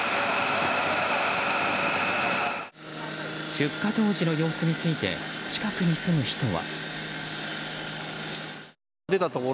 出火当時の様子について近くに住む人は。